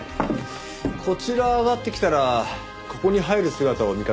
こちら上がってきたらここに入る姿を見かけたもので。